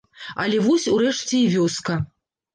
Але вось урэшце і вёска.